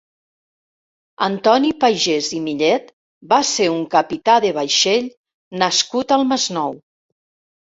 Antoni Pagès i Millet va ser un capità de vaixell nascut al Masnou.